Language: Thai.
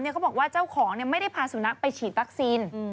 เขาบอกว่าเจ้าของไม่ได้พาสุนัขไปฉีดวัคซีน